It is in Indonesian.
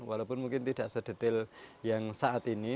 walaupun mungkin tidak sedetail yang saat ini